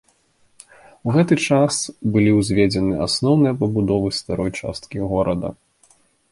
У гэты час былі ўзведзены асноўныя пабудовы старой часткі горада.